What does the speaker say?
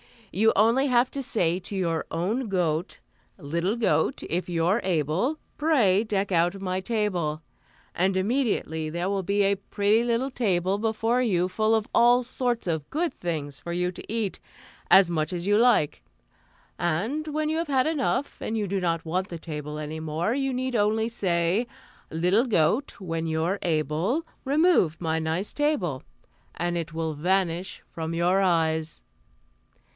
You have only to say to your own goat: "'Little goat, if you're able, Pray deck out my table,' "and immediately there will be a pretty little table before you full of all sorts of good things for you to eat, as much as you like. And when you have had enough, and you do not want the table any more, you need only say: "'Little goat, when you're able, Remove my nice table,' "and it will vanish from your eyes."